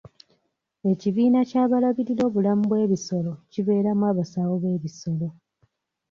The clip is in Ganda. Ekibiina ky'abalabirira obulamu bw'ebisolo kibeeramu abasawo b'ebisolo.